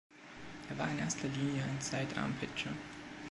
Er war in erster Linie ein Side-Arm-Pitcher.